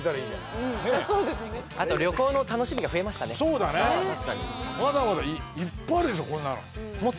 そうだねまだまだいっぱいあるでしょこんなの。